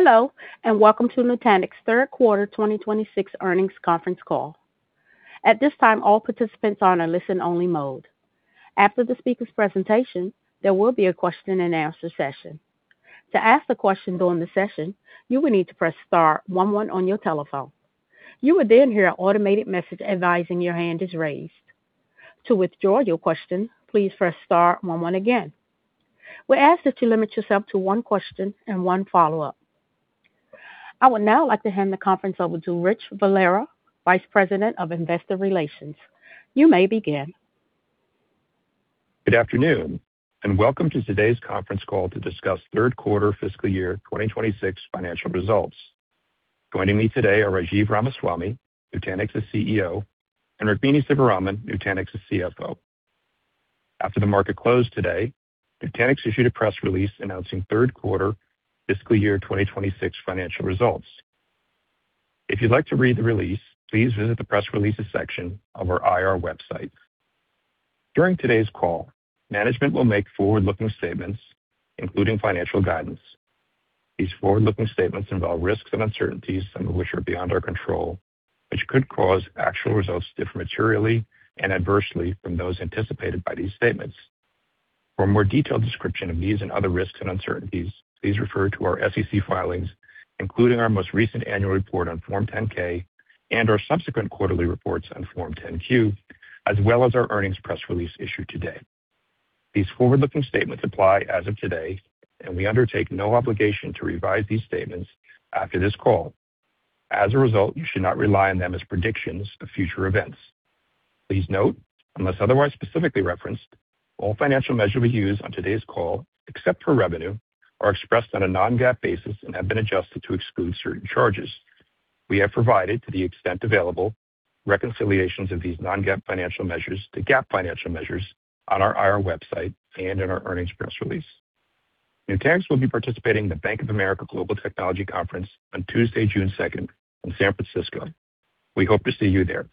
Hello, welcome to Nutanix Third Quarter 2026 Earnings Conference Call. At this time, all participants are in listen only mode. After the speakers presentation, there will be a question-and-answer session. To ask a question during the session, you will need to press star one one on your telephone. You will then hear an automatic message advising your hand is raised. To withdraw your question, please press star one one again. We ask that you limit yourself to one question and one follow up. I would now like to hand the conference over to Richard Valera, Vice President of Investor Relations. You may begin. Good afternoon, and welcome to today's conference call to discuss third quarter fiscal year 2026 Financial Results. Joining me today are Rajiv Ramaswami, Nutanix's CEO, and Rukmini Sivaraman, Nutanix's CFO. After the market closed today, Nutanix issued a press release announcing third quarter fiscal year 2026 financial results. If you'd like to read the release, please visit the press releases section of our IR website. During today's call, management will make forward-looking statements, including financial guidance. These forward-looking statements involve risks and uncertainties, some of which are beyond our control, which could cause actual results to differ materially and adversely from those anticipated by these statements. For a more detailed description of these and other risks and uncertainties, please refer to our SEC filings, including our most recent annual report on Form 10-K and our subsequent quarterly reports on Form 10-Q, as well as our earnings press release issued today. These forward-looking statements apply as of today, and we undertake no obligation to revise these statements after this call. As a result, you should not rely on them as predictions of future events. Please note, unless otherwise specifically referenced, all financial measures we use on today's call, except for revenue, are expressed on a non-GAAP basis and have been adjusted to exclude certain charges. We have provided, to the extent available, reconciliations of these non-GAAP financial measures to GAAP financial measures on our IR website and in our earnings press release. Nutanix will be participating in the Bank of America Global Technology Conference on Tuesday, June 2nd in San Francisco. We hope to see you there.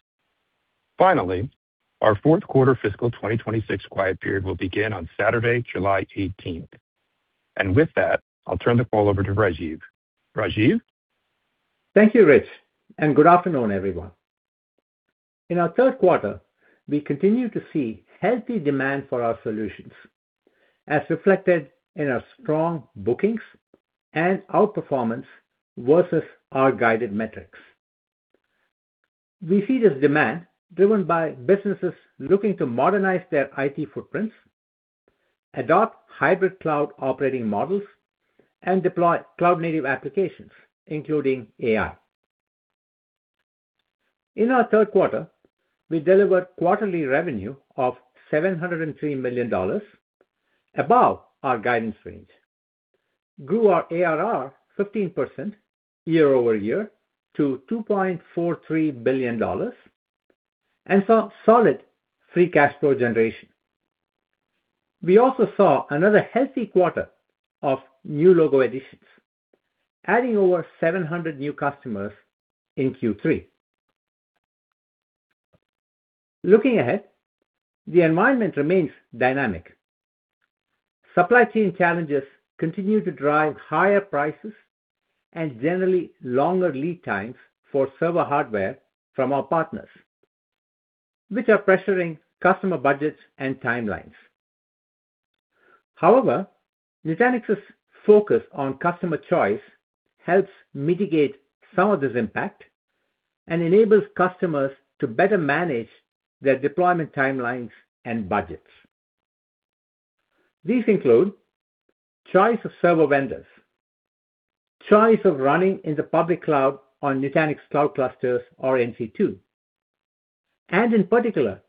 Finally, our fourth quarter fiscal 2026 quiet period will begin on Saturday, July 18th. With that, I'll turn the call over to Rajiv. Rajiv? Thank you, Rich, good afternoon, everyone. In our third quarter, we continue to see healthy demand for our solutions, as reflected in our strong bookings and outperformance versus our guided metrics. We see this demand driven by businesses looking to modernize their IT footprints, adopt hybrid cloud operating models, and deploy cloud-native applications, including AI. In our third quarter, we delivered quarterly revenue of $703 million, above our guidance range, grew our ARR 15% year-over-year to $2.43 billion, and saw solid free cash flow generation. We also saw another healthy quarter of new logo additions, adding over 700 new customers in Q3. Looking ahead, the environment remains dynamic. Supply chain challenges continue to drive higher prices and generally longer lead times for server hardware from our partners, which are pressuring customer budgets and timelines. Nutanix's focus on customer choice helps mitigate some of this impact and enables customers to better manage their deployment timelines and budgets. These include choice of server vendors, choice of running in the public cloud on Nutanix Cloud Clusters or NC2, and in particular,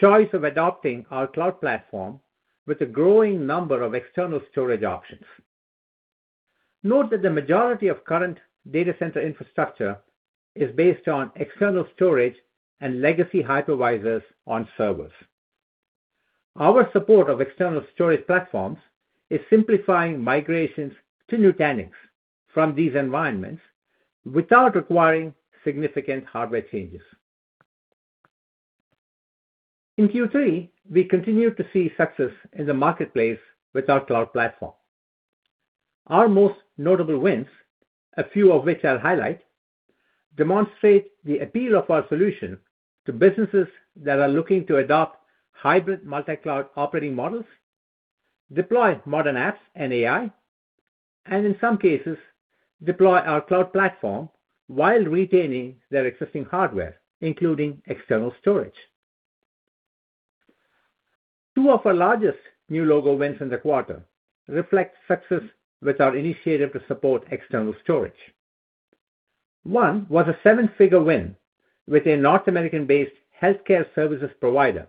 choice of adopting our cloud platform with a growing number of external storage options. Note that the majority of current data center infrastructure is based on external storage and legacy hypervisors on servers. Our support of external storage platforms is simplifying migrations to Nutanix from these environments without requiring significant hardware changes. In Q3, we continued to see success in the marketplace with our cloud platform. Our most notable wins, a few of which I'll highlight, demonstrate the appeal of our solution to businesses that are looking to adopt hybrid multi-cloud operating models, deploy modern apps and AI, and in some cases, deploy our Cloud Platform while retaining their existing hardware, including external storage. Two of our largest new logo wins in the quarter reflect success with our initiative to support external storage. One was a seven-figure win with a North American-based healthcare services provider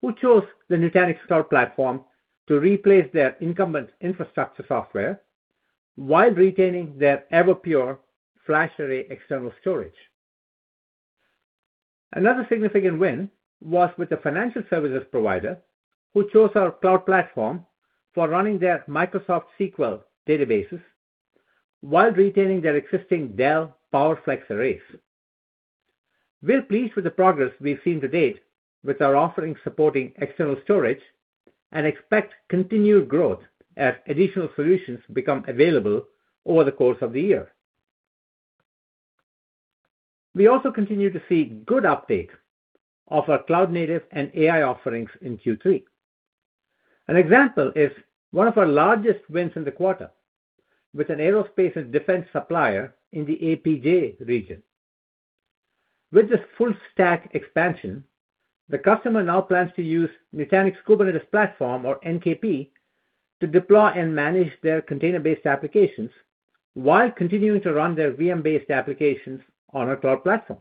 who chose the Nutanix Cloud Platform to replace their incumbent infrastructure software while retaining their Pure Storage FlashArray external storage. Another significant win was with a financial services provider who chose our cloud platform for running their Microsoft SQL databases while retaining their existing Dell PowerFlex arrays. We're pleased with the progress we've seen to date with our offerings supporting external storage, and expect continued growth as additional solutions become available over the course of the year. We also continue to see good uptake of our cloud-native and AI offerings in Q3. An example is one of our largest wins in the quarter with an aerospace and defense supplier in the APJ region. With this full stack expansion, the customer now plans to use Nutanix Kubernetes Platform, or NKP, to deploy and manage their container-based applications while continuing to run their VM-based applications on our cloud platform.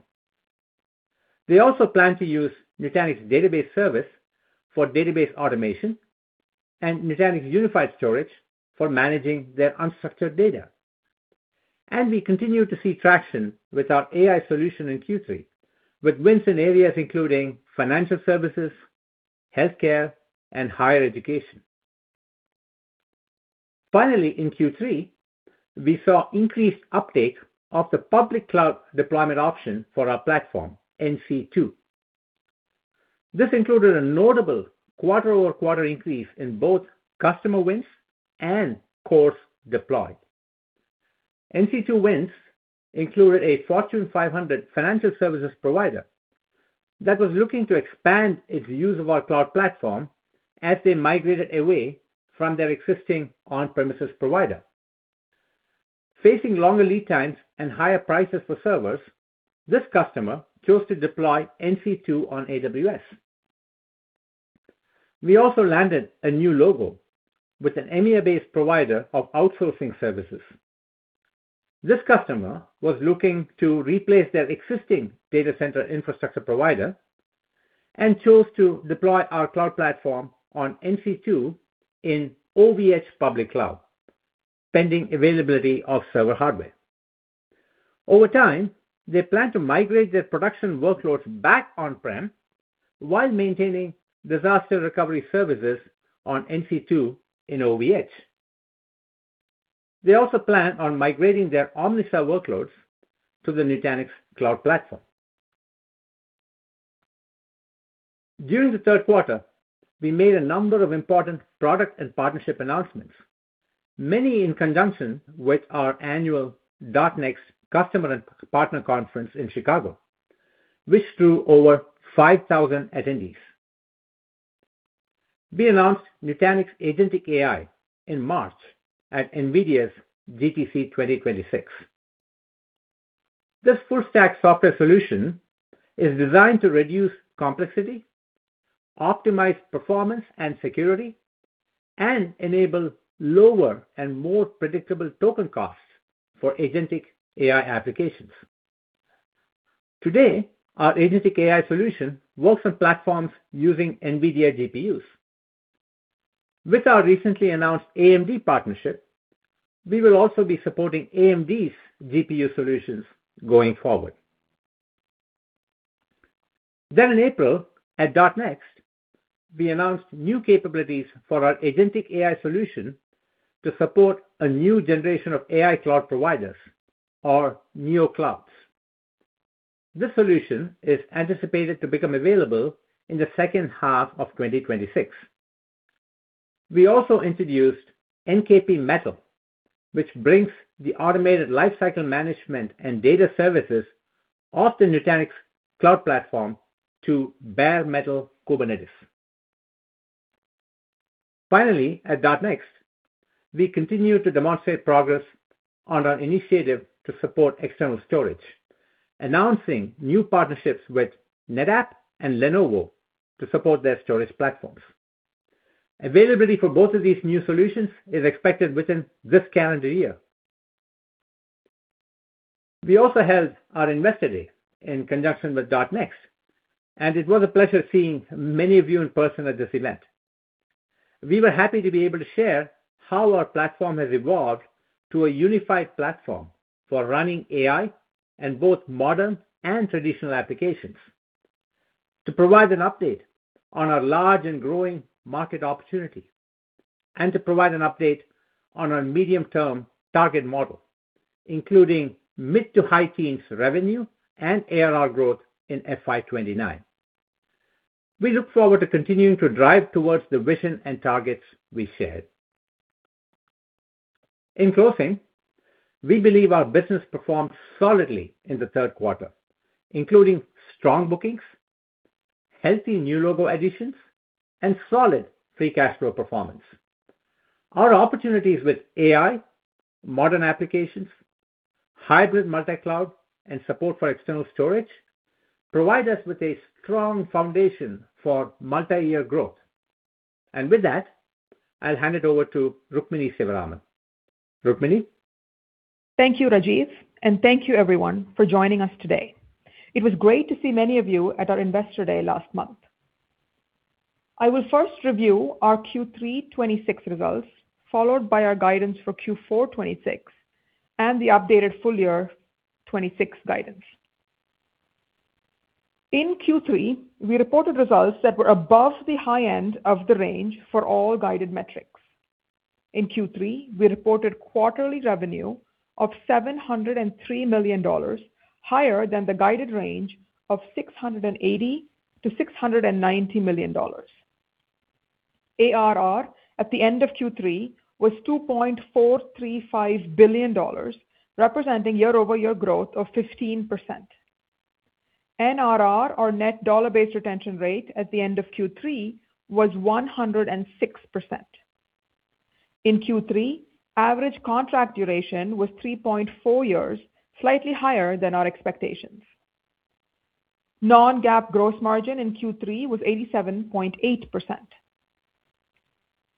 They also plan to use Nutanix Database Service for database automation and Nutanix Unified Storage for managing their unstructured data. We continue to see traction with our AI solution in Q3 with wins in areas including financial services, healthcare, and higher education. Finally, in Q3, we saw increased uptake of the public cloud deployment option for our platform, NC2. This included a notable quarter-over-quarter increase in both customer wins and cores deployed. NC2 wins included a Fortune 500 financial services provider that was looking to expand its use of our cloud platform as they migrated away from their existing on-premises provider. Facing longer lead times and higher prices for servers, this customer chose to deploy NC2 on AWS. We also landed a new logo with an EMEA-based provider of outsourcing services. This customer was looking to replace their existing data center infrastructure provider and chose to deploy our cloud platform on NC2 in OVHcloud public cloud, pending availability of server hardware. Over time, they plan to migrate their production workloads back on-prem while maintaining disaster recovery services on NC2 in OVHcloud. They also plan on migrating their Omnissa workloads to the Nutanix Cloud Platform. During the third quarter, we made a number of important product and partnership announcements, many in conjunction with our annual .NEXT customer and partner conference in Chicago, which drew over 5,000 attendees. We announced Nutanix Agentic AI in March at NVIDIA's GTC 2026. This full-stack software solution is designed to reduce complexity, optimize performance and security, and enable lower and more predictable token costs for agentic AI applications. Today, our Agentic AI solution works on platforms using NVIDIA GPUs. With our recently announced AMD partnership, we will also be supporting AMD's GPU solutions going forward. In April, at .NEXT, we announced new capabilities for our Agentic AI solution to support a new generation of AI cloud providers, or NeoClouds. This solution is anticipated to become available in the second half of 2026. We also introduced NKP Metal, which brings the automated lifecycle management and data services of the Nutanix Cloud Platform to bare metal Kubernetes. Finally, at .NEXT, we continued to demonstrate progress on our initiative to support external storage, announcing new partnerships with NetApp and Lenovo to support their storage platforms. Availability for both of these new solutions is expected within this calendar year. We also held our Investor Day in conjunction with .NEXT, and it was a pleasure seeing many of you in person at this event. We were happy to be able to share how our platform has evolved to a unified platform for running AI in both modern and traditional applications, to provide an update on our large and growing market opportunity, and to provide an update on our medium-term target model, including mid-to-high teens revenue and ARR growth in FY 2029. We look forward to continuing to drive towards the vision and targets we shared. In closing, we believe our business performed solidly in the third quarter, including strong bookings, healthy new logo additions, and solid free cash flow performance. Our opportunities with AI, modern applications, hybrid multicloud, and support for external storage provide us with a strong foundation for multiyear growth. With that, I'll hand it over to Rukmini Sivaraman. Rukmini? Thank you, Rajiv, and thank you, everyone, for joining us today. It was great to see many of you at our Investor Day last month. I will first review our Q3 2026 results, followed by our guidance for Q4 2026 and the updated full year 2026 guidance. In Q3, we reported results that were above the high end of the range for all guided metrics. In Q3, we reported quarterly revenue of $703 million, higher than the guided range of $680 million-$690 million. ARR at the end of Q3 was $2.435 billion, representing year-over-year growth of 15%. NRR, or net dollar-based retention rate, at the end of Q3 was 106%. In Q3, average contract duration was 3.4 years, slightly higher than our expectations. Non-GAAP gross margin in Q3 was 87.8%.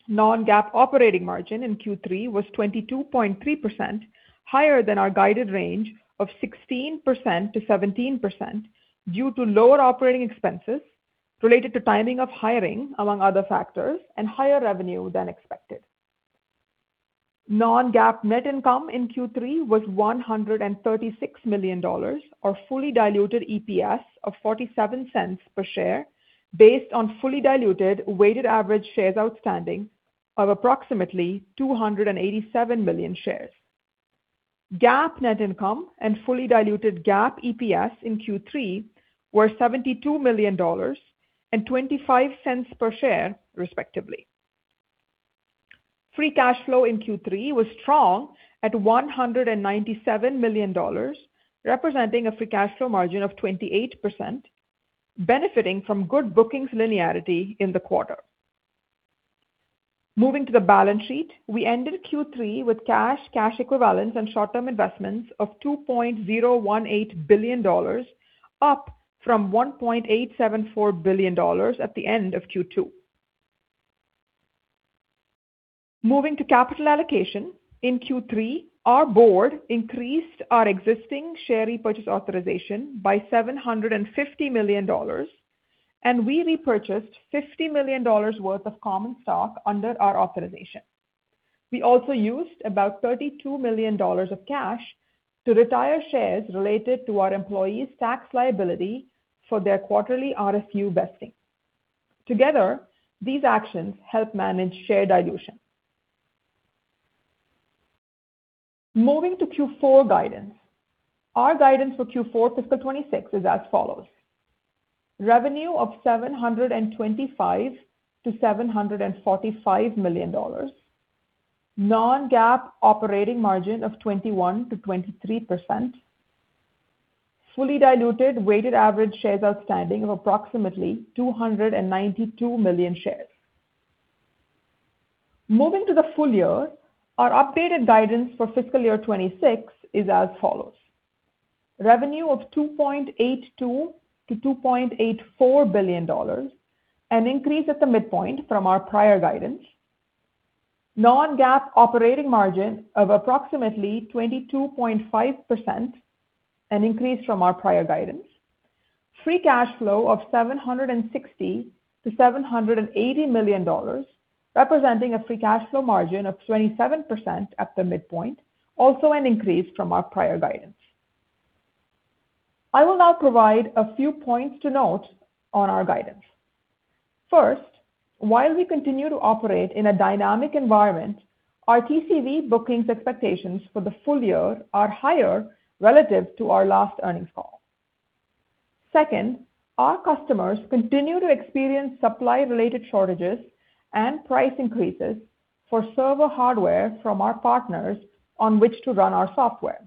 Non-GAAP operating margin in Q3 was 22.3%, higher than our guided range of 16%-17%, due to lower operating expenses related to timing of hiring, among other factors, and higher revenue than expected. Non-GAAP net income in Q3 was $136 million, or fully diluted EPS of $0.47 per share, based on fully diluted weighted average shares outstanding of approximately 287 million shares. GAAP net income and fully diluted GAAP EPS in Q3 were $72 million and $0.25 per share, respectively. Free cash flow in Q3 was strong at $197 million, representing a free cash flow margin of 28%, benefiting from good bookings linearity in the quarter. Moving to the balance sheet. We ended Q3 with cash equivalents, and short-term investments of $2.018 billion, up from $1.874 billion at the end of Q2. Moving to capital allocation. In Q3, our board increased our existing share repurchase authorization by $750 million, and we repurchased $50 million worth of common stock under our authorization. We also used about $32 million of cash to retire shares related to our employees' tax liability for their quarterly RSU vesting. Together, these actions help manage share dilution. Moving to Q4 guidance. Our guidance for Q4 fiscal 2026 is as follows: revenue of $725 million-$745 million. Non-GAAP operating margin of 21%-23%. Fully diluted weighted average shares outstanding of approximately 292 million shares. Moving to the full year. Our updated guidance for fiscal year 2026 is as follows: revenue of $2.82 billion-$2.84 billion, an increase at the midpoint from our prior guidance. Non-GAAP operating margin of approximately 22.5%, an increase from our prior guidance. Free cash flow of $760 million-$780 million, representing a free cash flow margin of 27% at the midpoint, also an increase from our prior guidance. I will now provide a few points to note on our guidance. First, while we continue to operate in a dynamic environment, our TCV bookings expectations for the full year are higher relative to our last earnings call. Second, our customers continue to experience supply-related shortages and price increases for server hardware from our partners on which to run our software.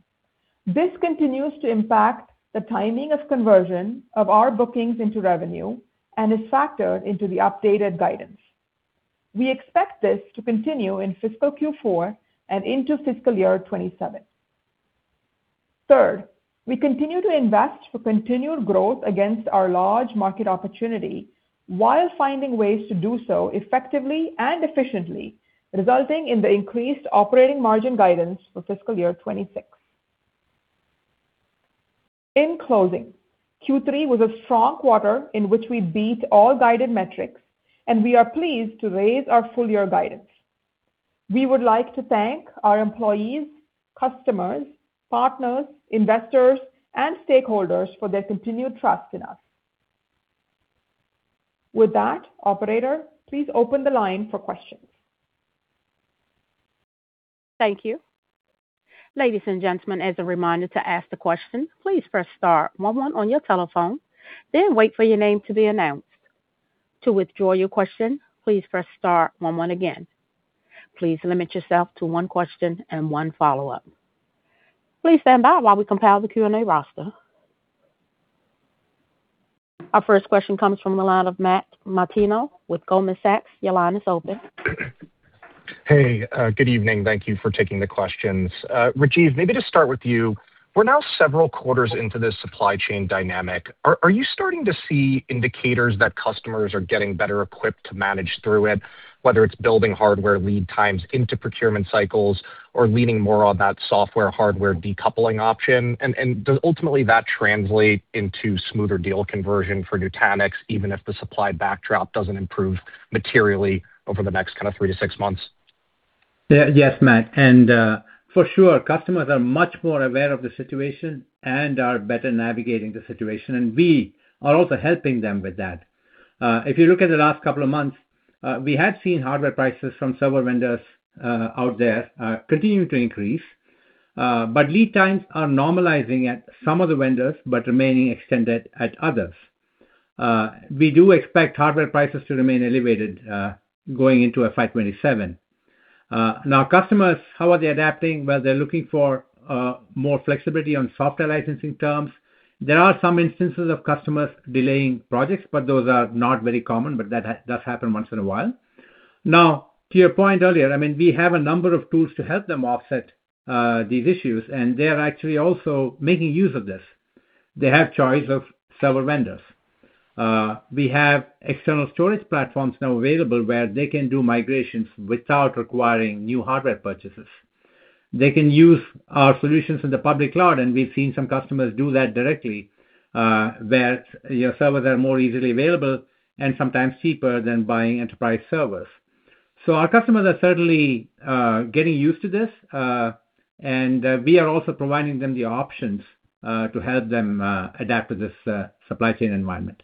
This continues to impact the timing of conversion of our bookings into revenue and is factored into the updated guidance. We expect this to continue in fiscal Q4 and into fiscal year 2027. We continue to invest for continued growth against our large market opportunity while finding ways to do so effectively and efficiently, resulting in the increased operating margin guidance for fiscal year 2026. In closing, Q3 was a strong quarter in which we beat all guided metrics, and we are pleased to raise our full-year guidance. We would like to thank our employees, customers, partners, investors, and stakeholders for their continued trust in us. With that, operator, please open the line for questions. Thank you. Ladies and gentlemen, as a reminder to ask a question, please press star one one on your telephone. Then wait for your name to be announced. To withdraw your question, please press star one one again. Please limit yourself to one question and one follow up. Please stand by while we compile the Q&A roster. Our first question comes from the line of Matthew Martino with Goldman Sachs. Your line is open. Hey, good evening. Thank you for taking the questions. Rajiv, maybe just start with you. We're now several quarters into this supply chain dynamic. Are you starting to see indicators that customers are getting better equipped to manage through it, whether it's building hardware lead times into procurement cycles or leaning more on that software hardware decoupling option? Does ultimately that translate into smoother deal conversion for Nutanix, even if the supply backdrop doesn't improve materially over the next kind of three to six months? Yes, Matt. For sure. Customers are much more aware of the situation and are better navigating the situation, we are also helping them with that. If you look at the last couple of months, we have seen hardware prices from several vendors out there continue to increase. Lead times are normalizing at some of the vendors, but remaining extended at others. We do expect hardware prices to remain elevated going into FY 2027. Customers, how are they adapting? Well, they're looking for more flexibility on software licensing terms. There are some instances of customers delaying projects, but those are not very common, but that does happen once in a while. To your point earlier, we have a number of tools to help them offset these issues, they are actually also making use of this. They have choice of several vendors. We have external storage platforms now available where they can do migrations without requiring new hardware purchases. They can use our solutions in the public cloud, and we've seen some customers do that directly where your servers are more easily available and sometimes cheaper than buying enterprise servers. Our customers are certainly getting used to this, and we are also providing them the options to help them adapt to this supply chain environment.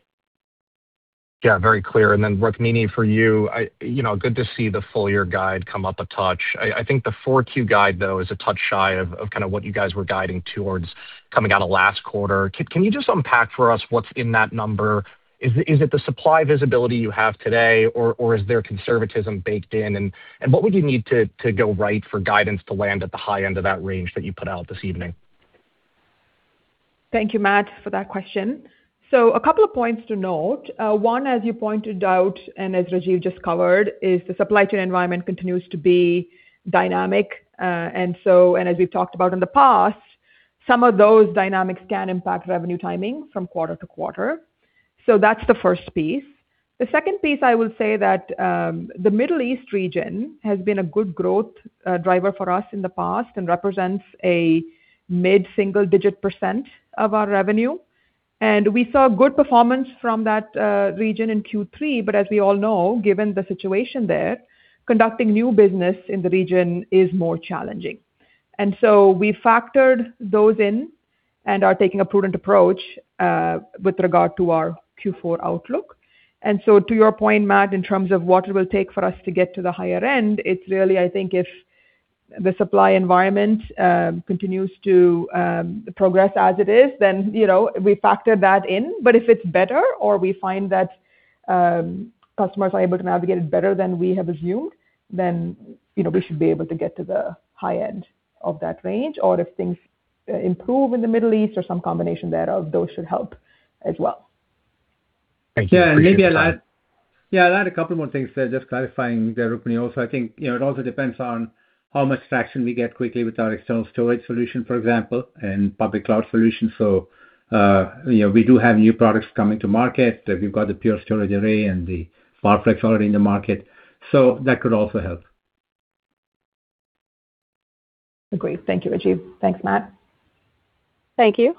Very clear. Rukmini, for you, good to see the full year guide come up a touch. I think the 4Q guide, though, is a touch shy of what you guys were guiding towards coming out of last quarter. Can you just unpack for us what's in that number? Is it the supply visibility you have today, or is there conservatism baked in? What would you need to go right for guidance to land at the high end of that range that you put out this evening? Thank you, Matt, for that question. A couple of points to note. One, as you pointed out, and as Rajiv just covered, is the supply chain environment continues to be dynamic. As we've talked about in the past, some of those dynamics can impact revenue timing from quarter-to-quarter. That's the first piece. The second piece, I will say that the Middle East region has been a good growth driver for us in the past and represents a mid-single digit percent of our revenue. We saw good performance from that region in Q3, but as we all know, given the situation there, conducting new business in the region is more challenging. We factored those in and are taking a prudent approach with regard to our Q4 outlook. To your point, Matt, in terms of what it will take for us to get to the higher end, it's really, I think if the supply environment continues to progress as it is, then we factor that in. If it's better or we find that customers are able to navigate it better than we have assumed, then we should be able to get to the high end of that range. If things improve in the Middle East or some combination thereof, those should help as well. Thank you. Appreciate your time. Yeah, I'll add a couple more things there, just clarifying there, Rukmini. I think it also depends on how much traction we get quickly with our external storage solution, for example, and public cloud solution. We do have new products coming to market. We've got the Pure Storage FlashArray and the PowerFlex already in the market. That could also help. Agreed. Thank you, Rajiv. Thanks, Matt. Thank you.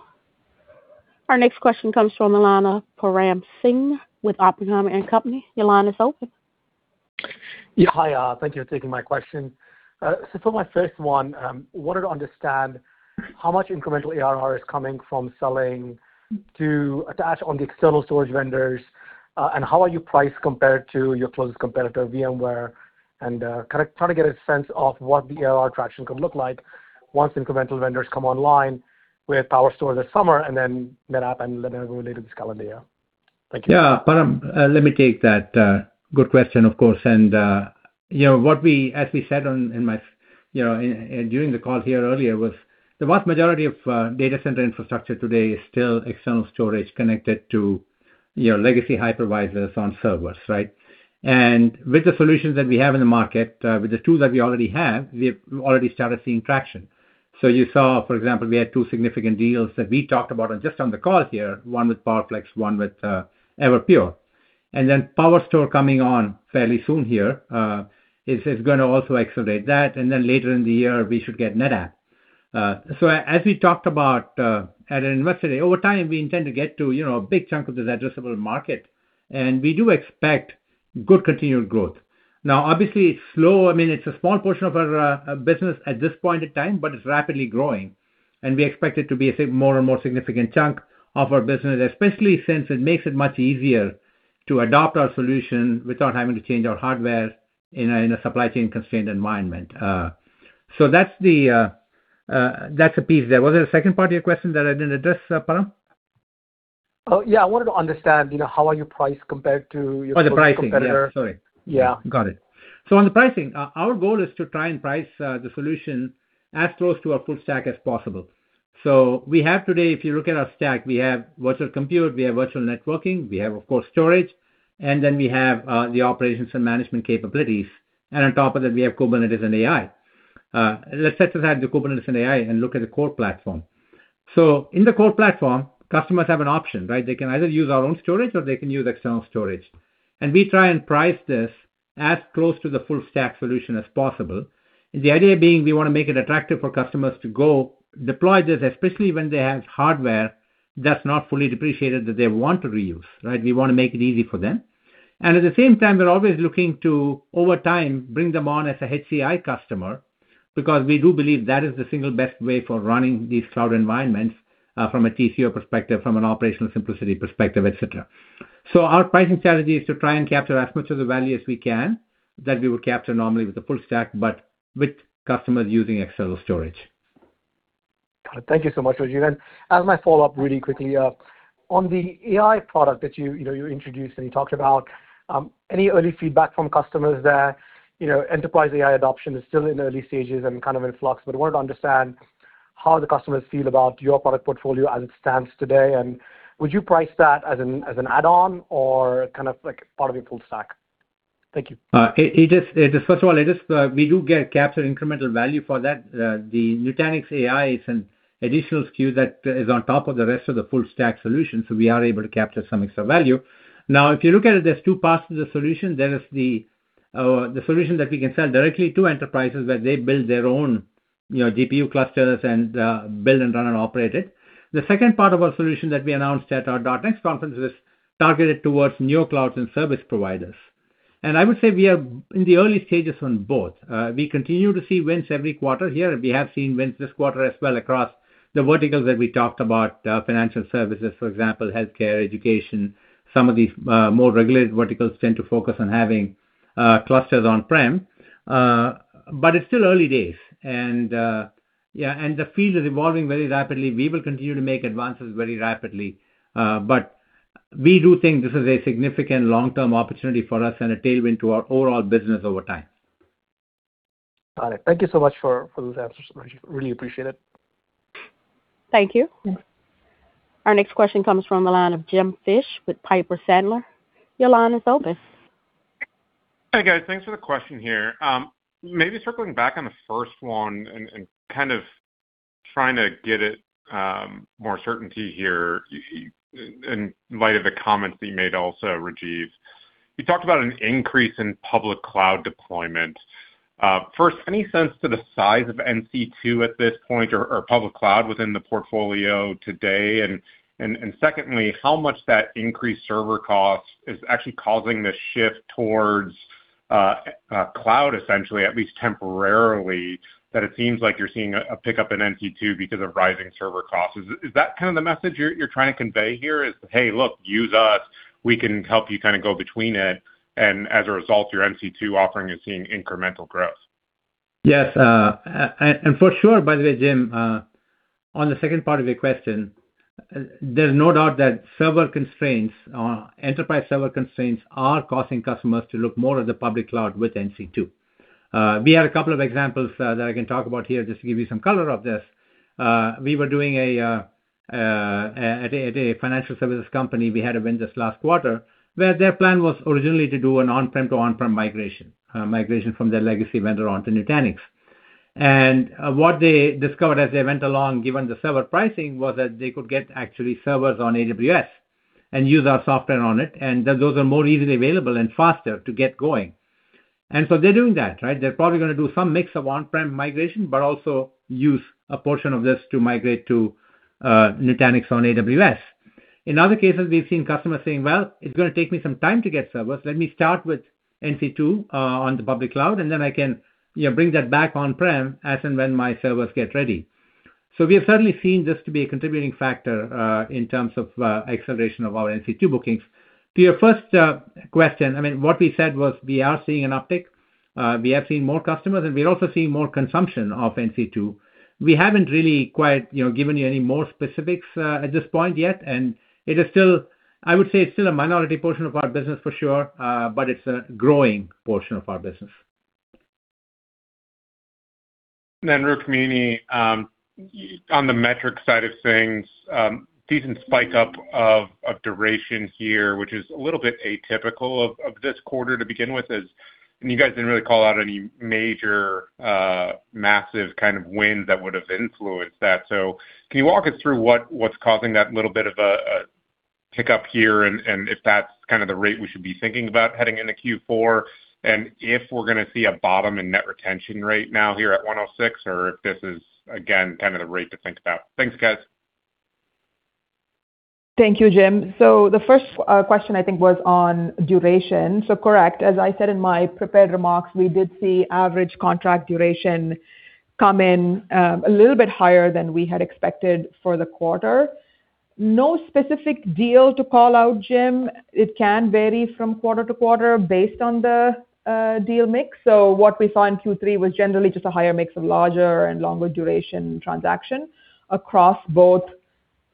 Our next question comes from Param Singh with Oppenheimer & Company. Your line is open. Yeah. Hi. Thank you for taking my question. For my first one, I wanted to understand how much incremental ARR is coming from selling to attach on the external storage vendors, and how are you priced compared to your closest competitor, VMware, and trying to get a sense of what the ARR traction could look like once incremental vendors come online with PowerStore this summer and then NetApp later this calendar year. Thank you. Yeah, Param, let me take that. Good question, of course. As we said during the call here earlier, was the vast majority of data center infrastructure today is still external storage connected to your legacy hypervisors on servers, right? With the solutions that we have in the market, with the tools that we already have, we have already started seeing traction. You saw, for example, we had two significant deals that we talked about just on the call here, one with PowerFlex, one with Pure Storage. PowerStore coming on fairly soon here is going to also accelerate that. Later in the year, we should get NetApp. As we talked about at Investor Day, over time, we intend to get to a big chunk of this addressable market, and we do expect good continual growth. Obviously, it's slow. It's a small portion of our business at this point in time. It's rapidly growing. We expect it to be a more and more significant chunk of our business, especially since it makes it much easier to adopt our solution without having to change our hardware in a supply chain-constrained environment. That's a piece there. Was there a second part of your question that I didn't address, Param? Oh, yeah. I wanted to understand how are you priced compared to your- Oh, the pricing. competitor. Yeah, sorry. Yeah. Got it. On the pricing, our goal is to try and price the solution as close to our full stack as possible. We have today, if you look at our stack, we have virtual compute, we have virtual networking, we have, of course, storage, and then we have the operations and management capabilities. On top of that, we have Kubernetes and AI. Let's set aside the Kubernetes and AI and look at the core platform. In the core platform, customers have an option, right? They can either use our own storage or they can use external storage. We try and price this as close to the full stack solution as possible. The idea being, we want to make it attractive for customers to go deploy this, especially when they have hardware that's not fully depreciated that they want to reuse, right? We want to make it easy for them. At the same time, we're always looking to, over time, bring them on as a HCI customer because we do believe that is the single best way for running these cloud environments from a TCO perspective, from an operational simplicity perspective, et cetera. Our pricing strategy is to try and capture as much of the value as we can that we would capture normally with the full stack, but with customers using external storage. Got it. Thank you so much, Rajiv. As my follow-up really quickly, on the AI product that you introduced and you talked about, any early feedback from customers there? Enterprise AI adoption is still in early stages and kind of in flux, wanted to understand how the customers feel about your product portfolio as it stands today, would you price that as an add-on or kind of part of your full stack? Thank you. First of all, we do capture incremental value for that. The Nutanix AI is an additional SKU that is on top of the rest of the full stack solution, so we are able to capture some extra value. Now, if you look at it, there's two parts to the solution. There is the solution that we can sell directly to enterprises, where they build their own GPU clusters and build and run and operate it. The second part of our solution that we announced at our .NEXT conference is targeted towards NeoClouds and service providers. I would say we are in the early stages on both. We continue to see wins every quarter here, and we have seen wins this quarter as well across the verticals that we talked about, financial services, for example, healthcare, education. Some of these more regulated verticals tend to focus on having clusters on-prem. It's still early days. Yeah, the field is evolving very rapidly. We will continue to make advances very rapidly. We do think this is a significant long-term opportunity for us and a tailwind to our overall business over time. Got it. Thank you so much for those answers, Rajiv. Really appreciate it. Thank you. Our next question comes from the line of James Fish with Piper Sandler. Your line is open. Hi, guys. Thanks for the question here. Maybe circling back on the first one and kind of trying to get it more certainty here in light of the comments that you made also, Rajiv. You talked about an increase in public cloud deployment. First, any sense to the size of NC2 at this point or public cloud within the portfolio today? Secondly, how much that increased server cost is actually causing the shift towards cloud essentially, at least temporarily, that it seems like you're seeing a pickup in NC2 because of rising server costs. Is that kind of the message you're trying to convey here is, "Hey, look, use us. We can help you kind of go between it, and as a result, your NC2 offering is seeing incremental growth"? Yes. For sure, by the way, James, on the second part of your question, there is no doubt that server constraints, enterprise server constraints are causing customers to look more at the public cloud with NC2. We have a couple of examples that I can talk about here just to give you some color of this. We were doing, at a financial services company, we had a win this last quarter, where their plan was originally to do an on-prem to on-prem migration. Migration from their legacy vendor onto Nutanix. What they discovered as they went along, given the server pricing, was that they could get actually servers on AWS and use our software on it, and that those are more easily available and faster to get going. They are doing that, right? They're probably going to do some mix of on-prem migration, but also use a portion of this to migrate to Nutanix on AWS. In other cases, we've seen customers saying, "Well, it's going to take me some time to get servers. Let me start with NC2 on the public cloud, and then I can bring that back on-prem as and when my servers get ready." We have certainly seen this to be a contributing factor in terms of acceleration of our NC2 bookings. To your first question, what we said was we are seeing an uptick. We are seeing more customers, and we're also seeing more consumption of NC2. We haven't really quite given you any more specifics at this point yet, it is still, I would say, it's still a minority portion of our business for sure. It's a growing portion of our business. Rukmini, on the metrics side of things, decent spike up of duration here, which is a little bit atypical of this quarter to begin with, as you guys didn't really call out any major, massive kind of wins that would have influenced that. Can you walk us through what's causing that little bit of a pickup here, and if that's kind of the rate we should be thinking about heading into Q4, and if we're going to see a bottom in net retention rate now here at 106, or if this is, again, kind of the rate to think about. Thanks, guys. Thank you, Jim. The first question, I think, was on duration. Correct. As I said in my prepared remarks, we did see average contract duration come in a little bit higher than we had expected for the quarter. No specific deal to call out, Jim. It can vary from quarter-to-quarter based on the deal mix. What we saw in Q3 was generally just a higher mix of larger and longer duration transaction across both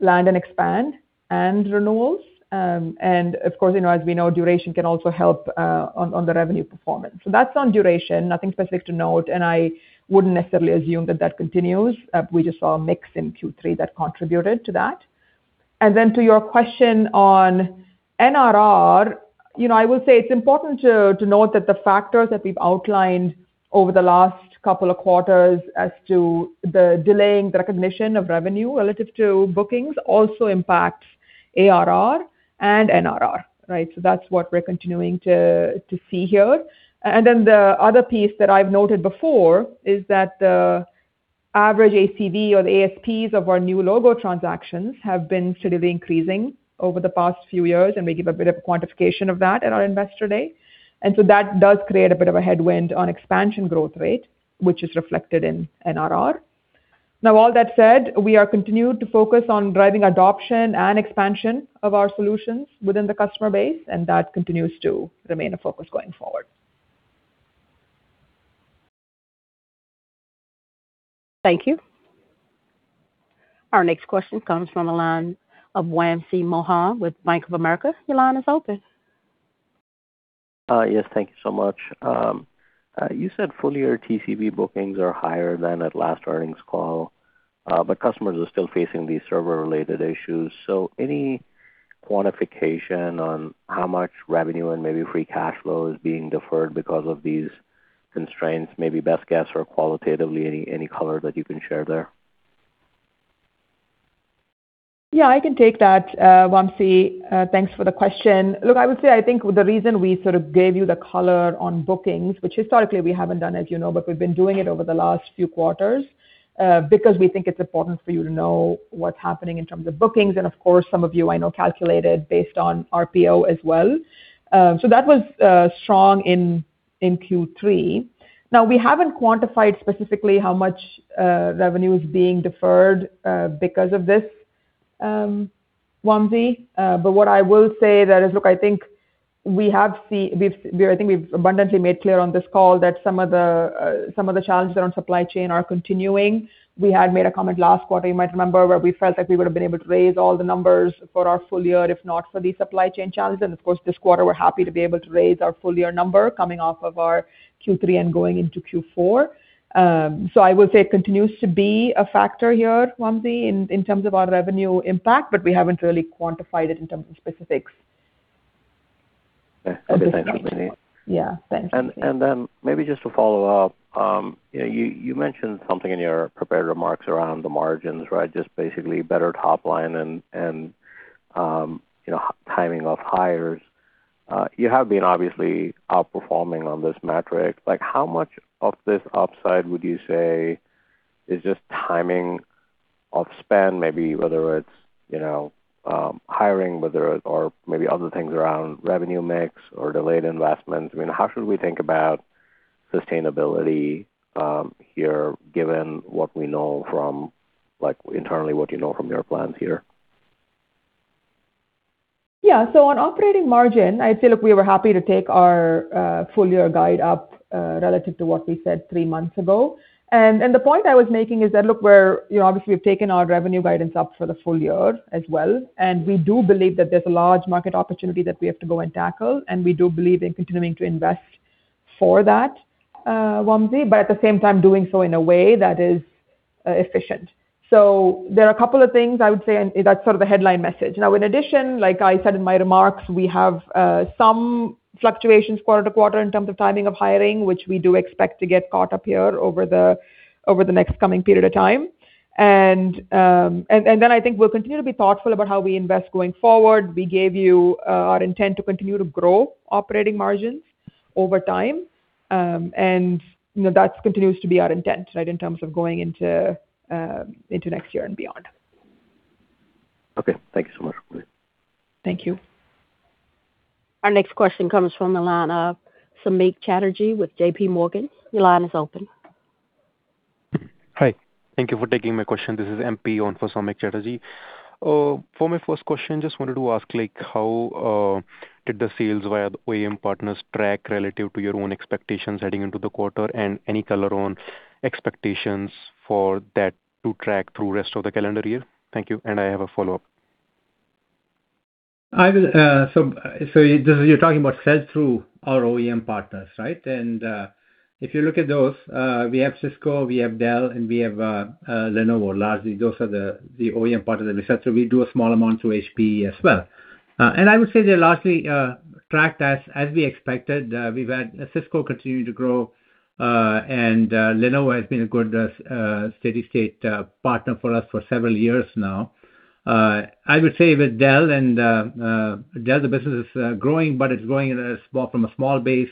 land and expand and renewals. Of course, as we know, duration can also help on the revenue performance. That's on duration, nothing specific to note, and I wouldn't necessarily assume that that continues. We just saw a mix in Q3 that contributed to that. To your question on NRR, I will say it's important to note that the factors that we've outlined over the last couple of quarters as to the delaying the recognition of revenue relative to bookings also impacts ARR and NRR. That's what we're continuing to see here. The other piece that I've noted before is that the average ACV or the ASPs of our new logo transactions have been steadily increasing over the past few years, and we give a bit of quantification of that at our Investor Day. That does create a bit of a headwind on expansion growth rate, which is reflected in NRR. All that said, we are continued to focus on driving adoption and expansion of our solutions within the customer base, and that continues to remain a focus going forward. Thank you. Our next question comes from the line of Wamsi Mohan with Bank of America. Your line is open. Yes. Thank you so much. You said full year TCV bookings are higher than at last earnings call, but customers are still facing these server-related issues. Any quantification on how much revenue and maybe free cash flow is being deferred because of these constraints, maybe best guess or qualitatively any color that you can share there? Yeah, I can take that, Wamsi. Thanks for the question. Look, I would say, I think the reason we sort of gave you the color on bookings, which historically we haven't done, as you know, but we've been doing it over the last few quarters, because we think it's important for you to know what's happening in terms of bookings. Of course, some of you I know calculated based on RPO as well. That was strong in Q3. We haven't quantified specifically how much revenue is being deferred because of this, Wamsi, but what I will say that is, look, I think we've abundantly made clear on this call that some of the challenges around supply chain are continuing. We had made a comment last quarter, you might remember, where we felt like we would've been able to raise all the numbers for our full year, if not for these supply chain challenges. Of course, this quarter, we're happy to be able to raise our full year number coming off of our Q3 and going into Q4. I would say it continues to be a factor here, Wamsi, in terms of our revenue impact, but we haven't really quantified it in terms of specifics. Okay. Thanks, Rukmini. Yeah. Thanks. Maybe just to follow up, you mentioned something in your prepared remarks around the margins, right? Just basically better top line and timing of hires. You have been obviously outperforming on this metric. How much of this upside would you say is just timing of spend, maybe whether it's hiring, or maybe other things around revenue mix or delayed investments? I mean, how should we think about sustainability here, given what we know from internally what you know from your plans here? Yeah. On operating margin, I'd say, look, we were happy to take our full year guide up, relative to what we said three months ago. The point I was making is that, look, we obviously have taken our revenue guidance up for the full year as well, and we do believe that there's a large market opportunity that we have to go and tackle, and we do believe in continuing to invest for that, Wamsi. At the same time, doing so in a way that is efficient. There are a couple of things I would say, and that's sort of the headline message. Now, in addition, like I said in my remarks, we have some fluctuations quarter-to-quarter in terms of timing of hiring, which we do expect to get caught up here over the next coming period of time. I think we'll continue to be thoughtful about how we invest going forward. We gave you our intent to continue to grow operating margins over time. That continues to be our intent, right, in terms of going into next year and beyond. Okay. Thank you so much, Rukmini. Thank you. Our next question comes from the line of Samik Chatterjee with JPMorgan. Your line is open. Hi. Thank you for taking my question. This is MP on for Samik Chatterjee. For my first question, just wanted to ask, how did the sales via the OEM partners track relative to your own expectations heading into the quarter? Any color on expectations for that to track through rest of the calendar year? Thank you, and I have a follow-up. You're talking about sales through our OEM partners, right? If you look at those, we have Cisco, we have Dell, and we have Lenovo. Largely, those are the OEM partners that we sell to. We do a small amount to HPE as well. I would say they largely tracked as we expected. We've had Cisco continuing to grow, and Lenovo has been a good steady state partner for us for several years now. I would say with Dell, the business is growing, but it's growing from a small base.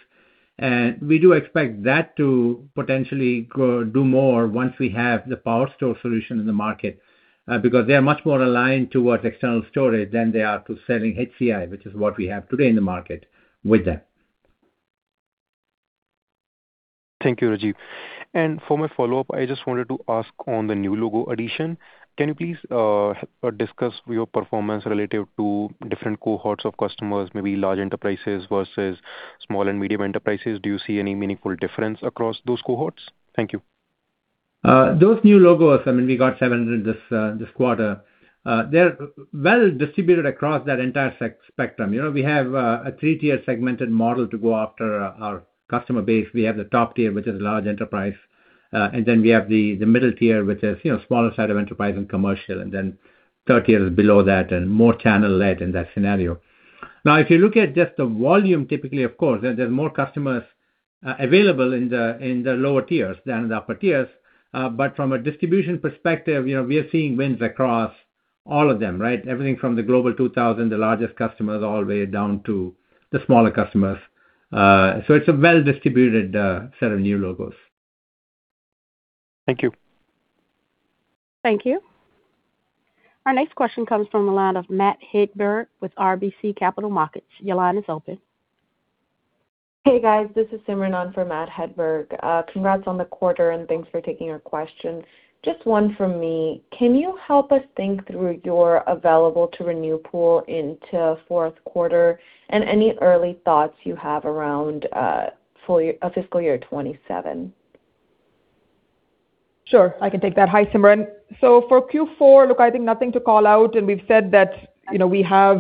We do expect that to potentially do more once we have the PowerStore solution in the market. They are much more aligned towards external storage than they are to selling HCI, which is what we have today in the market with them. Thank you, Rajiv. For my follow-up, I just wanted to ask on the new logo addition, can you please discuss your performance relative to different cohorts of customers, maybe large enterprises versus small and medium enterprises? Do you see any meaningful difference across those cohorts? Thank you. Those new logos, I mean, we got 700 this quarter. They're well distributed across that entire spectrum. We have a three-tier segmented model to go after our customer base. We have the top tier, which is large enterprise, and then we have the middle tier, which is smaller side of enterprise and commercial, and then third tier is below that and more channel led in that scenario. If you look at just the volume, typically, of course, there's more customers available in the lower tiers than in the upper tiers. From a distribution perspective, we are seeing wins across all of them, right? Everything from the Global 2000, the largest customers, all the way down to the smaller customers. It's a well-distributed set of new logos. Thank you. Thank you. Our next question comes from the line of Matt Hedberg with RBC Capital Markets. Your line is open. Hey, guys. This is Simran on for Matt Hedberg. Congrats on the quarter, and thanks for taking our question. Just one from me. Can you help us think through your available to renew pool into fourth quarter and any early thoughts you have around fiscal year 2027? Sure. I can take that. Hi, Simran. For Q4, I think nothing to call out. We've said that we have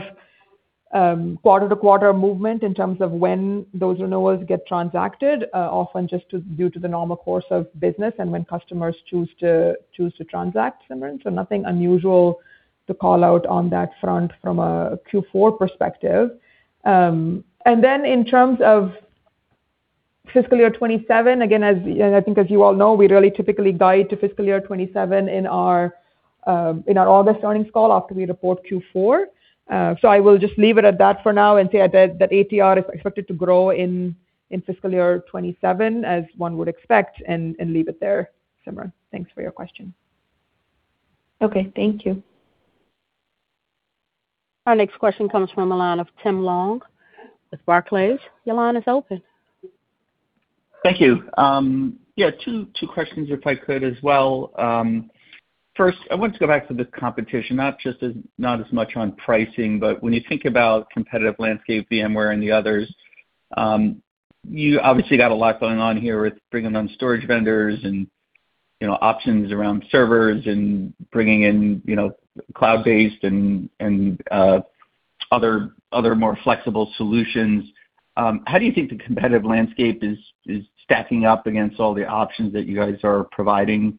quarter-to-quarter movement in terms of when those renewals get transacted, often just due to the normal course of business and when customers choose to transact, Simran. Nothing unusual to call out on that front from a Q4 perspective. In terms of FY 2027, again, I think as you all know, we really typically guide to FY 2027 in our August earnings call after we report Q4. I will just leave it at that for now and say that ATR is expected to grow in FY 2027 as one would expect and leave it there, Simran. Thanks for your question. Okay. Thank you. Our next question comes from the line of Tim Long with Barclays. Your line is open. Thank you. Yeah, two questions if I could as well. First, I wanted to go back to the competition, not as much on pricing, but when you think about competitive landscape, VMware and the others, you obviously got a lot going on here with bringing on storage vendors and options around servers and bringing in cloud-based and other more flexible solutions. How do you think the competitive landscape is stacking up against all the options that you guys are providing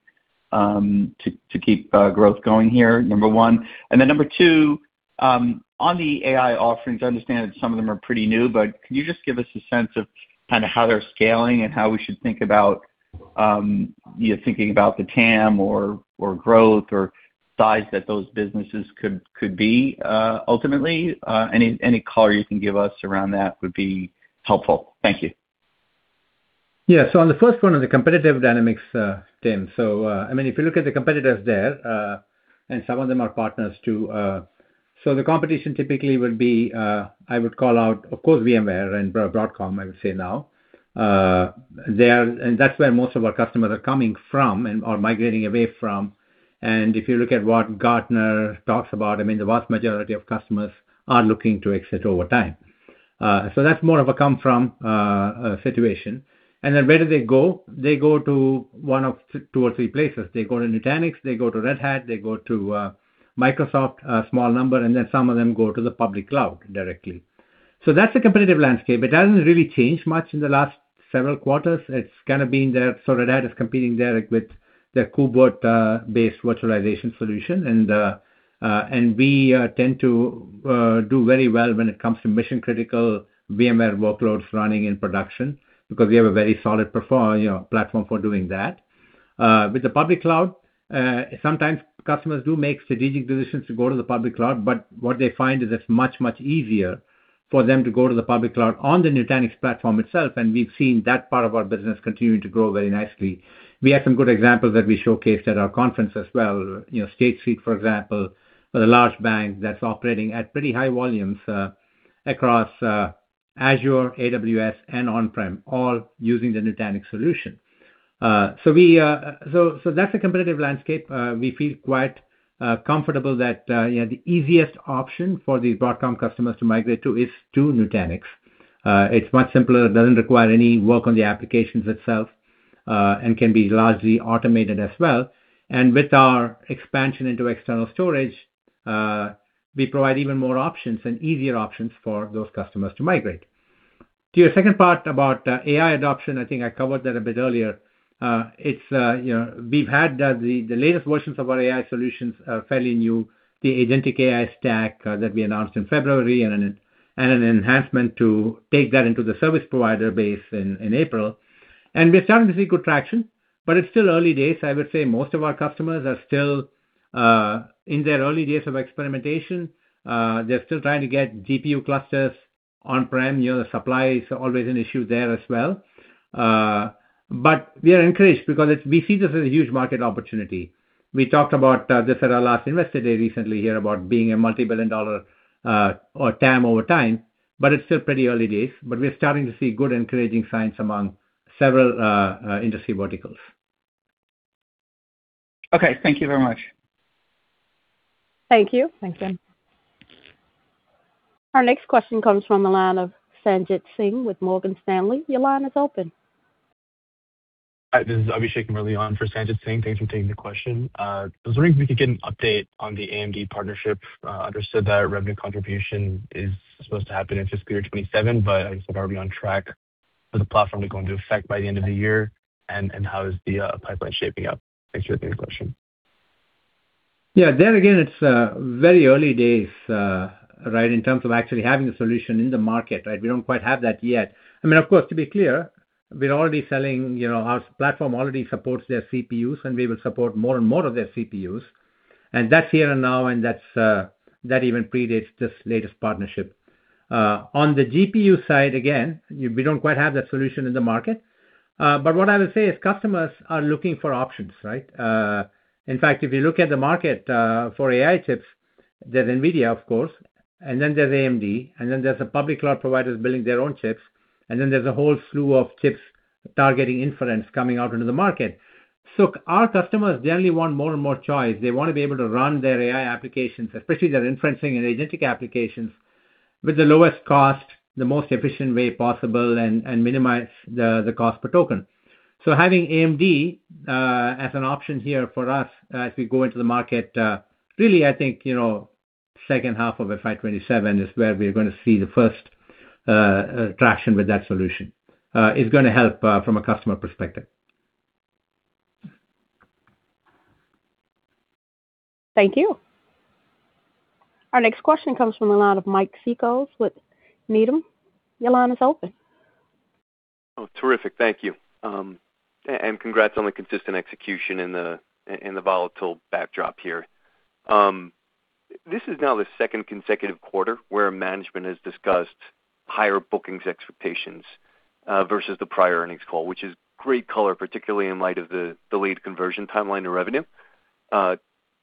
to keep growth going here, number one? Then number two, on the AI offerings, I understand that some of them are pretty new, but can you just give us a sense of kind of how they're scaling and how we should think about thinking about the TAM or growth or size that those businesses could be ultimately? Any color you can give us around that would be helpful. Thank you. Yeah. On the first one on the competitive dynamics, Tim, if you look at the competitors there, and some of them are partners too. The competition typically would be, I would call out, of course, VMware and Broadcom, I would say now. That's where most of our customers are coming from or migrating away from. If you look at what Gartner talks about, the vast majority of customers are looking to exit over time. That's more of a come from situation. Where do they go? They go to one of two or three places. They go to Nutanix, they go to Red Hat, they go to Microsoft, a small number, and then some of them go to the public cloud directly. That's the competitive landscape. It hasn't really changed much in the last several quarters. It's kind of been there. Red Hat is competing there with their KubeVirt-based virtualization solution. We tend to do very well when it comes to mission-critical VMware workloads running in production because we have a very solid platform for doing that. With the public cloud, sometimes customers do make strategic decisions to go to the public cloud, but what they find is it's much, much easier for them to go to the public cloud on the Nutanix platform itself, and we've seen that part of our business continuing to grow very nicely. We have some good examples that we showcased at our conference as well. State Street, for example, a large bank that's operating at pretty high volumes across Azure, AWS, and on-prem, all using the Nutanix solution. That's the competitive landscape. We feel quite comfortable that the easiest option for these Broadcom customers to migrate to is to Nutanix. It's much simpler, it doesn't require any work on the applications itself, and can be largely automated as well. With our expansion into external storage, we provide even more options and easier options for those customers to migrate. To your second part about AI adoption, I think I covered that a bit earlier. The latest versions of our AI solutions are fairly new, the Nutanix Agentic AI stack that we announced in February, and an enhancement to take that into the service provider base in April. We're starting to see good traction, but it's still early days. I would say most of our customers are still in their early days of experimentation. They're still trying to get GPU clusters on-prem. The supply is always an issue there as well. We are encouraged because we see this as a huge market opportunity. We talked about this at our last Investor Day recently here about being a multi-billion dollar or TAM over time, but it's still pretty early days. We're starting to see good encouraging signs among several industry verticals. Okay. Thank you very much. Thank you. Thanks, Tim. Our next question comes from the line of Sanjit Singh with Morgan Stanley. Your line is open. Hi, this is Abhishek. I'm really on for Sanjit Singh. Thanks for taking the question. I was wondering if we could get an update on the AMD partnership. Understood that revenue contribution is supposed to happen in fiscal year 2027, but are we on track for the platform to go into effect by the end of the year, and how is the pipeline shaping up? Thanks for taking the question. Yeah. There again, it's very early days, right, in terms of actually having a solution in the market, right? We don't quite have that yet. Of course, our platform already supports their CPUs, and we will support more and more of their CPUs. That's here and now, and that even predates this latest partnership. On the GPU side, again, we don't quite have that solution in the market. What I will say is customers are looking for options, right? In fact, if you look at the market for AI chips, there's NVIDIA, of course, and then there's AMD, and then there's the public cloud providers building their own chips, and then there's a whole slew of chips targeting inference coming out into the market. Our customers, they only want more and more choice. They want to be able to run their AI applications, especially their inferencing and agentic applications, with the lowest cost, the most efficient way possible, and minimize the cost per token. Having AMD as an option here for us as we go into the market, really, I think, second half of FY 2027 is where we're going to see the first traction with that solution. It's going to help from a customer perspective. Thank you. Our next question comes from the line of Mike Cikos with Needham. Your line is open. Oh, terrific. Thank you. Congrats on the consistent execution in the volatile backdrop here. This is now the second consecutive quarter where management has discussed higher bookings expectations versus the prior earnings call, which is great color, particularly in light of the delayed conversion timeline to revenue.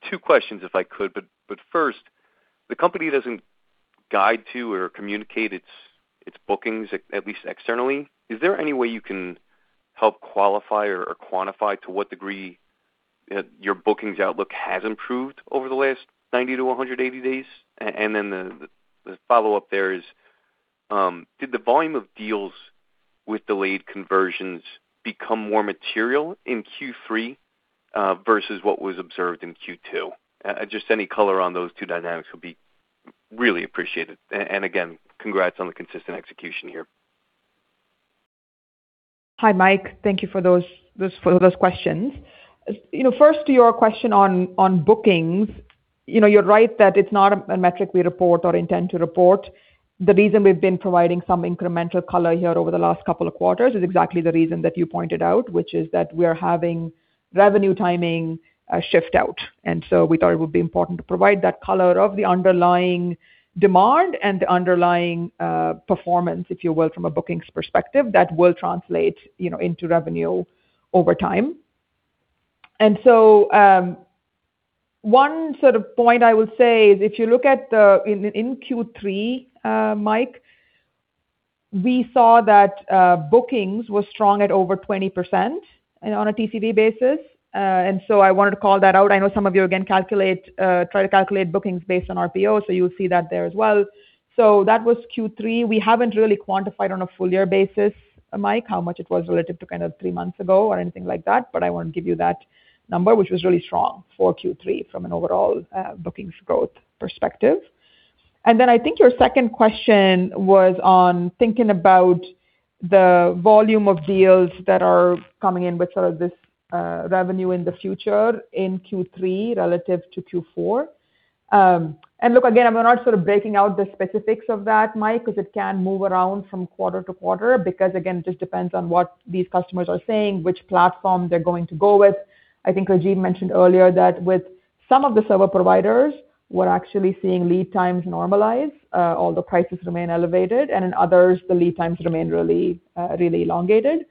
Two questions if I could, first, the company doesn't guide to or communicate its bookings, at least externally. Is there any way you can help qualify or quantify to what degree your bookings outlook has improved over the last 90-180 days? The follow-up there is, did the volume of deals with delayed conversions become more material in Q3 versus what was observed in Q2? Just any color on those two dynamics would be really appreciated. Again, congrats on the consistent execution here. Hi, Mike. Thank you for those questions. First to your question on bookings. You're right that it's not a metric we report or intend to report. The reason we've been providing some incremental color here over the last couple of quarters is exactly the reason that you pointed out, which is that we're having revenue timing shift out. We thought it would be important to provide that color of the underlying demand and the underlying performance, if you will, from a bookings perspective that will translate into revenue over time. One sort of point I will say is if you look at in Q3, Mike, we saw that bookings were strong at over 20% on a TCV basis. I wanted to call that out. I know some of you again try to calculate bookings based on RPO, so you'll see that there as well. That was Q3. We haven't really quantified on a full year basis, Mike, how much it was relative to kind of three months ago or anything like that, but I want to give you that number, which was really strong for Q3 from an overall bookings growth perspective. Then I think your second question was on thinking about the volume of deals that are coming in with sort of this revenue in the future in Q3 relative to Q4. Look, again, we're not sort of breaking out the specifics of that, Mike, because it can move around from quarter-to-quarter because, again, it just depends on what these customers are saying, which platform they're going to go with. I think Rajiv mentioned earlier that with some of the server providers, we're actually seeing lead times normalize, although prices remain elevated, and in others, the lead times remain really elongated.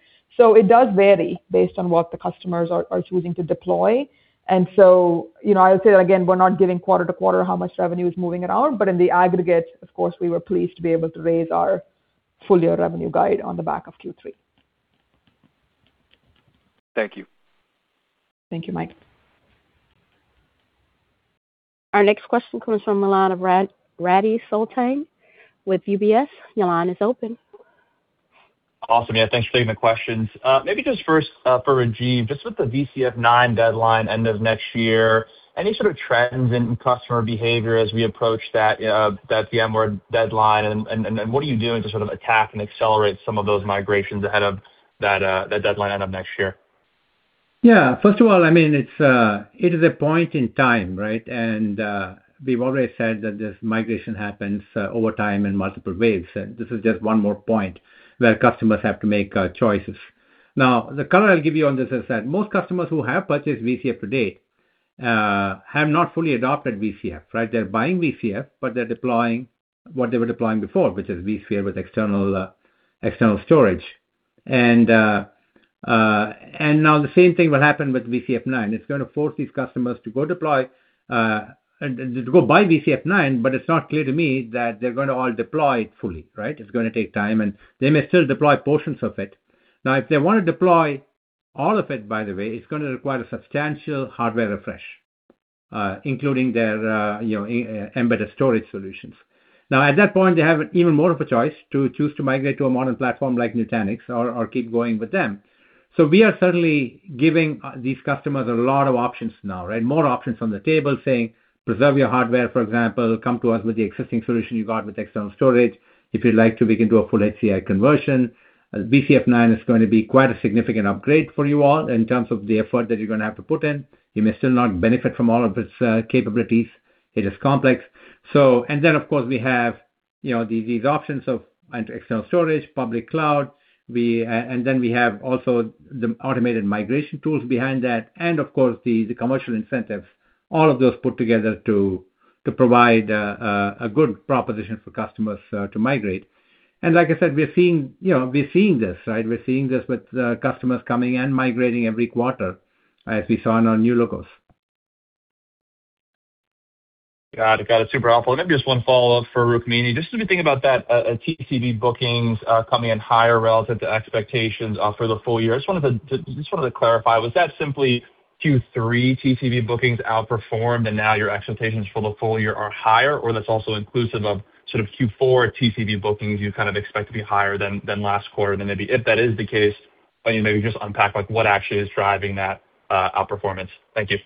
It does vary based on what the customers are choosing to deploy. I would say that again, we're not giving quarter-to-quarter how much revenue is moving around, but in the aggregate, of course, we were pleased to be able to raise our full-year revenue guide on the back of Q3. Thank you. Thank you, Mike. Our next question comes from the line of Radi Sultan with UBS. Your line is open. Awesome. Yeah, Thanks for taking the questions. Maybe just first for Rajiv, just with the VCF 9 deadline end of next year, any sort of trends in customer behavior as we approach that VMware deadline and what are you doing to sort of attack and accelerate some of those migrations ahead of that deadline end of next year? Yeah. First of all, it is a point in time, right? We've already said that this migration happens over time in multiple waves. This is just one more point where customers have to make choices. Now, the color I'll give you on this is that most customers who have purchased VCF to date have not fully adopted VCF, right? They're buying VCF, but they're deploying what they were deploying before, which is vSphere with external storage. Now the same thing will happen with VCF 9. It's going to force these customers to go buy VCF 9, but it's not clear to me that they're going to all deploy it fully, right? It's going to take time, and they may still deploy portions of it. If they want to deploy all of it, by the way, it's going to require a substantial hardware refresh, including their embedded storage solutions. At that point, they have even more of a choice to choose to migrate to a modern platform like Nutanix or keep going with them. We are certainly giving these customers a lot of options now, right? More options on the table saying, preserve your hardware, for example, come to us with the existing solution you got with external storage. If you'd like to, we can do a full HCI conversion. VCF 9 is going to be quite a significant upgrade for you all in terms of the effort that you're going to have to put in. You may still not benefit from all of its capabilities. It is complex. Then, of course, we have these options of external storage, public cloud, and then we have also the automated migration tools behind that and, of course, the commercial incentives, all of those put together to provide a good proposition for customers to migrate. Like I said, we're seeing this. We're seeing this with customers coming and migrating every quarter as we saw in our new logos. Got it. Super helpful. Maybe just one follow-up for Rukmini. Just as we think about that TCV bookings coming in higher relative to expectations for the full year, I just wanted to clarify, was that simply Q3 TCV bookings outperformed and now your expectations for the full year are higher, or that's also inclusive of Q4 TCV bookings you kind of expect to be higher than last quarter? Maybe if that is the case, can you maybe just unpack what actually is driving that outperformance? Thank you.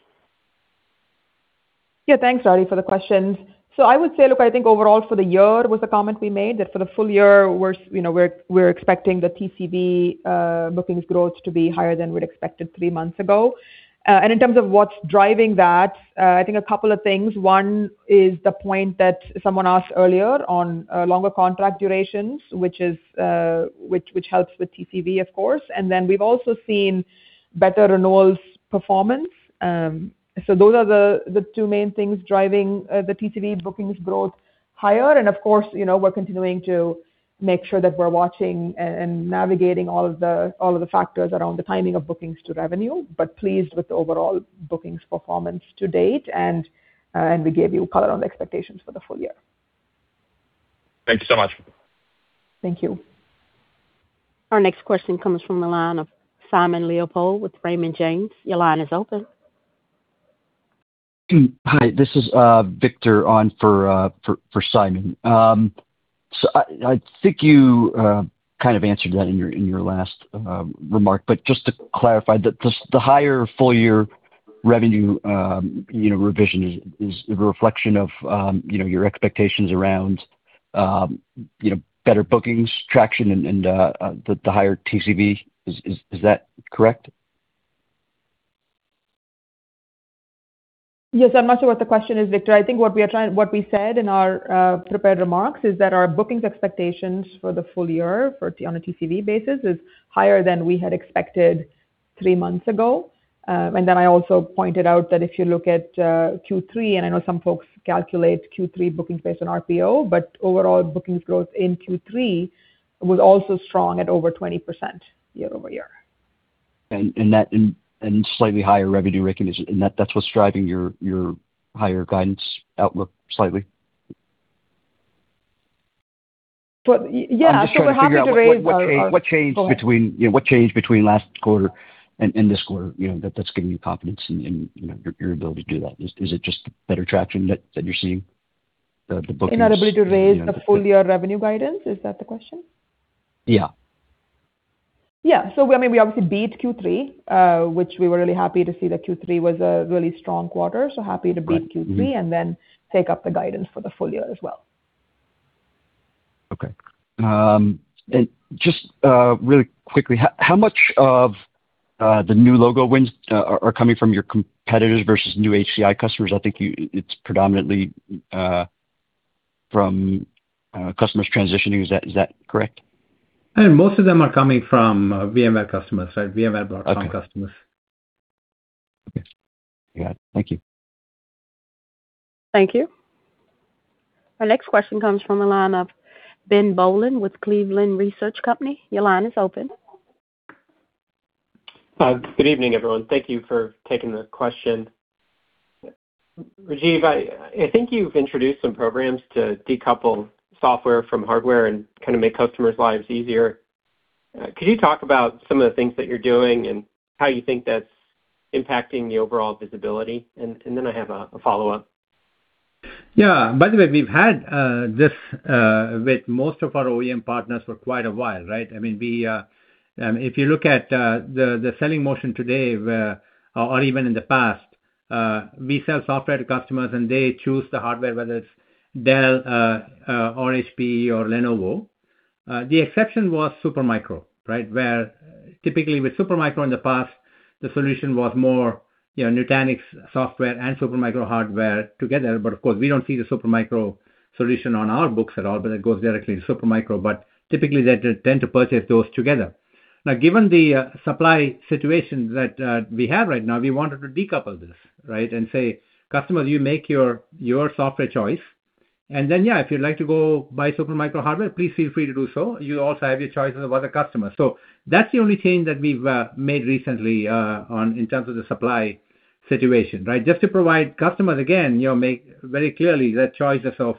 Yeah, thanks, Radi, for the questions. I would say, look, I think overall for the year was the comment we made, that for the full year, we're expecting the TCV bookings growth to be higher than we'd expected three months ago. In terms of what's driving that, I think a couple of things. One is the point that someone asked earlier on longer contract durations, which helps with TCV, of course. We've also seen better renewals performance. Those are the two main things driving the TCV bookings growth higher. Of course, we're continuing to make sure that we're watching and navigating all of the factors around the timing of bookings to revenue, but pleased with the overall bookings performance to date. We gave you color on the expectations for the full year. Thanks so much. Thank you. Our next question comes from the line of Simon Leopold with Raymond James. Your line is open. Hi, this is Victor on for Simon. I think you kind of answered that in your last remark, but just to clarify, the higher full-year revenue revision is a reflection of your expectations around better bookings traction and the higher TCV. Is that correct? Yes. I'm not sure what the question is, Victor. I think what we said in our prepared remarks is that our bookings expectations for the full year on a TCV basis is higher than we had expected three months ago. I also pointed out that if you look at Q3, and I know some folks calculate Q3 bookings based on RPO, but overall bookings growth in Q3 was also strong at over 20% year-over-year. Slightly higher revenue recognition, and that's what's driving your higher guidance outlook slightly? Yeah. we're happy to raise our- I'm just trying to figure out what changed. Go ahead. between last quarter and this quarter, that's giving you confidence in your ability to do that. Is it just better traction that you're seeing, the bookings? In our ability to raise the full-year revenue guidance? Is that the question? Yeah. Yeah. We obviously beat Q3, which we were really happy to see that Q3 was a really strong quarter. Happy to beat Q3. Right. Mm-hmm. Take up the guidance for the full year as well. Okay. Just really quickly, how much of the new logo wins are coming from your competitors versus new HCI customers? I think it's predominantly from customers transitioning. Is that correct? Most of them are coming from VMware customers. VMware Broadcom customers. Okay. Got it. Thank you. Thank you. Our next question comes from the line of Ben Bollin with Cleveland Research Company. Your line is open. Good evening, everyone. Thank you for taking the question. Rajiv, I think you've introduced some programs to decouple software from hardware and kind of make customers' lives easier. Could you talk about some of the things that you're doing and how you think that's impacting the overall visibility? I have a follow-up. Yeah. By the way, we've had this with most of our OEM partners for quite a while, right? If you look at the selling motion today, or even in the past, we sell software to customers and they choose the hardware, whether it's Dell, or HPE, or Lenovo. The exception was Supermicro, where typically with Supermicro in the past, the solution was more Nutanix software and Supermicro hardware together. Of course, we don't see the Supermicro solution on our books at all, but that goes directly to Supermicro. Typically, they tend to purchase those together. Now, given the supply situation that we have right now, we wanted to decouple this and say, "Customers, you make your software choice. Then, yeah, if you'd like to go buy Supermicro hardware, please feel free to do so. You also have your choices of other customers. That's the only change that we've made recently in terms of the supply situation. Just to provide customers, again, very clearly the choices of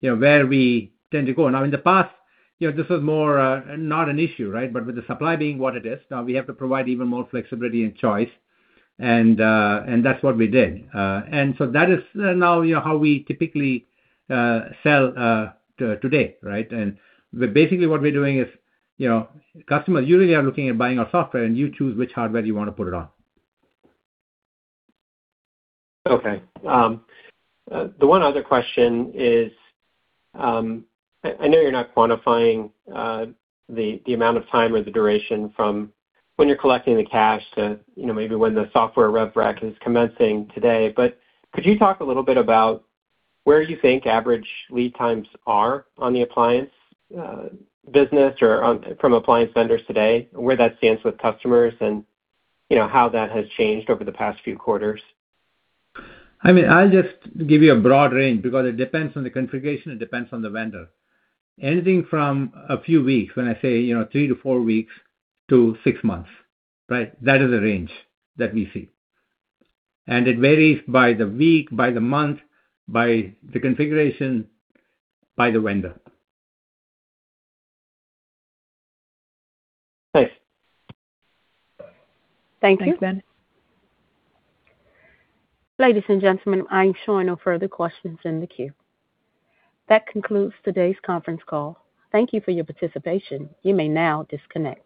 where we tend to go. In the past, this was more not an issue. With the supply being what it is, now we have to provide even more flexibility and choice, and that's what we did. That is now how we typically sell today. Basically what we're doing is, customers, you really are looking at buying our software and you choose which hardware you want to put it on. Okay. The one other question is, I know you're not quantifying the amount of time or the duration from when you're collecting the cash to maybe when the software rev rec is commencing today, but could you talk a little bit about where you think average lead times are on the appliance business or from appliance vendors today, where that stands with customers, and how that has changed over the past few quarters? I'll just give you a broad range because it depends on the configuration, it depends on the vendor. Anything from a few weeks, when I say three to four weeks, to six months. That is the range that we see. It varies by the week, by the month, by the configuration, by the vendor. Thanks. Thank you. Thanks, Ben. Ladies and gentlemen, I am showing no further questions in the queue. That concludes today's conference call. Thank you for your participation. You may now disconnect.